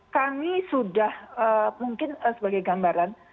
kami sudah mungkin sebagai gambaran